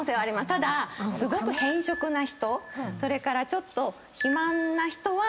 ただすごく偏食な人それからちょっと肥満な人は。